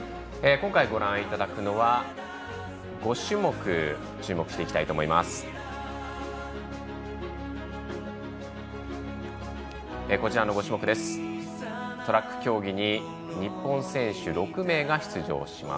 今回ご覧いただくのは５種目注目していきたいと思います。